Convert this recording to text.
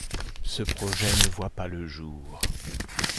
Ce projet ne voit pas le jour.